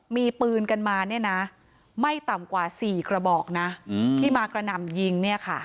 มีปืนกันมาไม่ต่ำกว่า๔กระบอกที่มากระหนำยิง